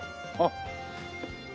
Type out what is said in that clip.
あっ。